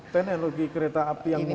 teknologi kereta api yang